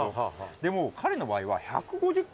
でも彼の場合は。